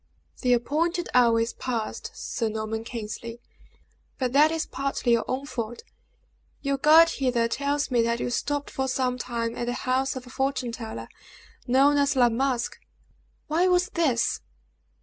"The appointed hour is passed, Sir Norman Kingsley, but that is partly your own fault. Your guide hither tells me that you stopped for some time at the house of a fortune teller, known as La Masque. Why was this!"